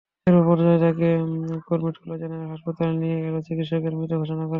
এরপর পথচারীরা তাঁকে কুর্মিটোলা জেনারেল হাসপাতালে নিয়ে এলে চিকিৎসকেরা মৃত ঘোষণা করেন।